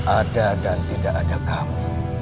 ada dan tidak ada kamu